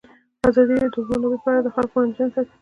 ازادي راډیو د د اوبو منابع په اړه د خلکو وړاندیزونه ترتیب کړي.